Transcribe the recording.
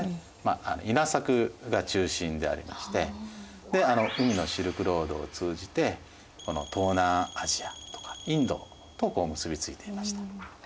稲作が中心でありまして海のシルクロードを通じて東南アジアとかインドとこう結び付いていました。